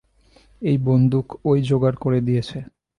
এই বন্দুক ওই যোগাড় করে দিয়েছে।